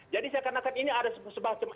jadi saya akan akan ini ada sebagian